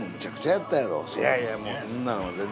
いやいやそんなのは全然。